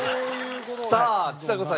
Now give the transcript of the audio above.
さあちさ子さん